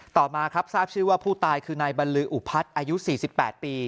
ต่อมาครับทราบชื่อว่าผู้ตายคือนายบรรลืออุพัฒน์อายุ๔๘ปี